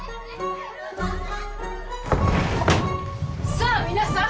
さあ皆さん。